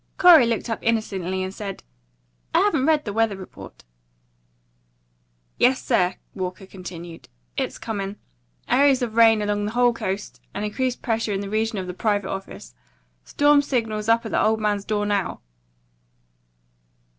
Corey looked up innocently, and said, "I haven't read the weather report." "Yes, sir," Walker continued, "it's coming. Areas of rain along the whole coast, and increased pressure in the region of the private office. Storm signals up at the old man's door now."